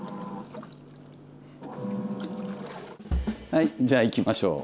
はいじゃあいきましょう。